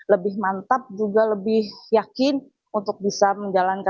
lebih mantap juga lebih yakin untuk bisa menjalankan